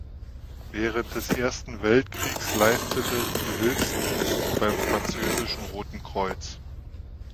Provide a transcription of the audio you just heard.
Während des Ersten Weltkriegs leistete sie Hilfsdienst beim französischen Roten Kreuz.